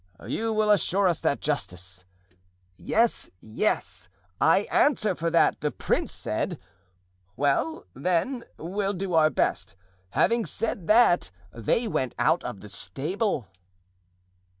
"'You will assure us that justice——' "'Yes, yes! I answer for all that,' the prince said. "'Well, then, we'll do our best.' Having said that, they went out of the stable."